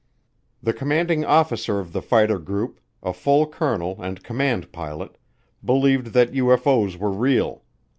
The commanding officer of the fighter group, a full colonel and command pilot, believed that UFO's were real.